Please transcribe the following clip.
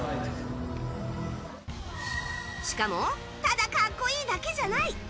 しかもただ格好いいだけじゃない。